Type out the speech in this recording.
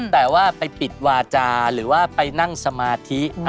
แต่ว่าไปปิดวาจาหรือว่าไปนั่งสมาธิ